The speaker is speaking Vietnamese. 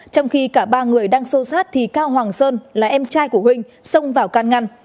trong khi cả ba người đang xô sát thì cao hoàng sơn là em trai của huỳnh xông vào can ngăn